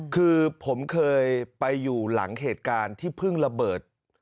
คือผมเคยไปอยู่หลังเหตุการณ์ที่เพิ่งระเบิด